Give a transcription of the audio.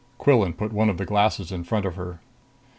Quillan put one of the glasses in front of her.